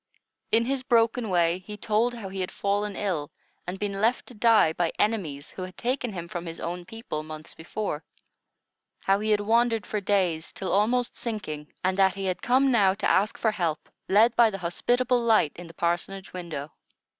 In his broken way, he told how he had fallen ill, and been left to die by enemies who had taken him from his own people, months before; how he had wandered for days till almost sinking; and that he had come now to ask for help, led by the hospitable light in the parsonage window.